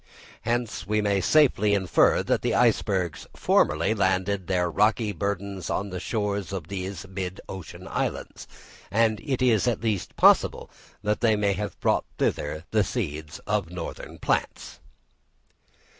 Hence we may safely infer that icebergs formerly landed their rocky burdens on the shores of these mid ocean islands, and it is at least possible that they may have brought thither the seeds of northern plants.